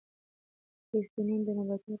پولیفینول د نباتي مرکباتو له ډلې دي.